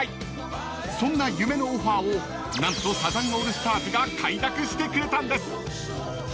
［そんな夢のオファーを何とサザンオールスターズが快諾してくれたんです］